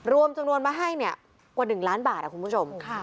รวมจำนวนมาให้เนี่ยกว่า๑ล้านบาทคุณผู้ชม